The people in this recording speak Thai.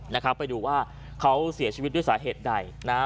นะครับไปดูว่าเขาเสียชีวิตด้วยสาเหตุใดนะฮะ